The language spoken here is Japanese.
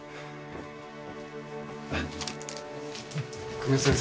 久米先生